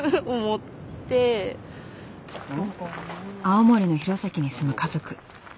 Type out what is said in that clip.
青森の弘前に住む家族。